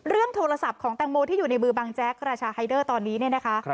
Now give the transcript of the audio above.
โทรศัพท์ของแตงโมที่อยู่ในมือบังแจ๊กราชาไฮเดอร์ตอนนี้เนี่ยนะคะ